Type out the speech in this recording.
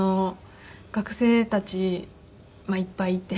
学生たちいっぱいいて。